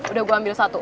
udah gue ambil satu